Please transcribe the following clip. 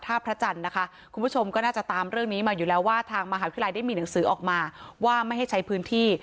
พระจันทร์นะคะคุณผู้ชมก็น่าจะตามเรื่องนี้มาอยู่แล้วว่าทางมหาวิทยาลัยได้มีหนังสือออกมาว่าไม่ให้ใช้พื้นที่